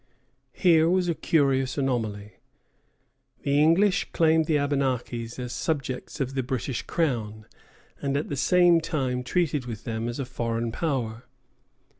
Here was a curious anomaly. The English claimed the Abenakis as subjects of the British Crown, and at the same time treated with them as a foreign power.